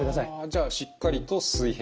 じゃあしっかりと水平。